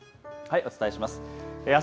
お伝えします。